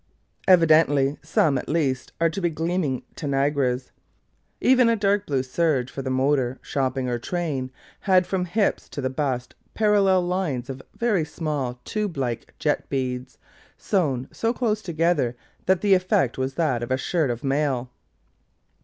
Evidently some, at least, are to be gleaming Tanagras. Even a dark blue serge, for the motor, shopping or train, had from hips to the bust parallel lines of very small tube like jet beads, sewn so close together that the effect was that of a shirt of mail.